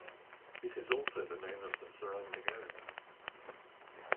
It is also the name of the surrounding area.